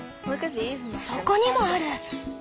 そこにもある！